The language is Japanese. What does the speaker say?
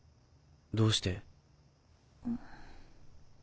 どうして？